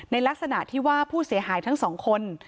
ลักษณะที่ว่าผู้เสียหายทั้งสองคน